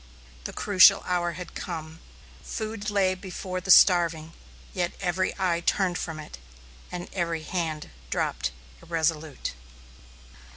The crucial hour had come. Food lay before the starving, yet every eye turned from it and every hand dropped irresolute.